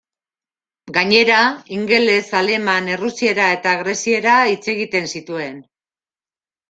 Gainera, ingeles, aleman, errusiera eta greziera hitz egiten zituen.